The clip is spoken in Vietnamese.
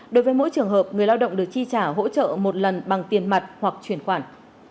đối với mỗi trường hợp người lao động được chi trả hỗ trợ một lần bằng tiền mặt hoặc chuyển khoản